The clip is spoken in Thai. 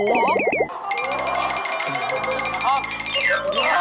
โอ้โห